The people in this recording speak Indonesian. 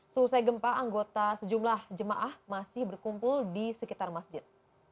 selesai gempa anggota sejumlah jemaah masih berkumpul di sekitar masjid